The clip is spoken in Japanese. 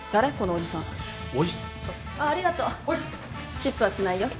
チップはしないよ。